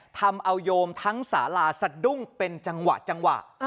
ทำเอาโยมทั้งสาลาสะดุ้งเป็นจังหวะจังหวะ